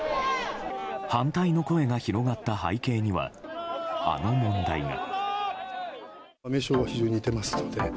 反対の声が広がった背景にはあの問題が。